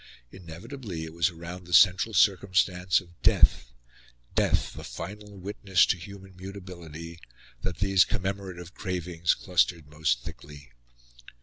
Inevitably it was around the central circumstance of death death, the final witness to human mutability that these commemorative cravings clustered most thickly.